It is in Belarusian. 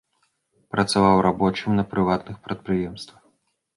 Працаваў рабочым на прыватных прадпрыемствах.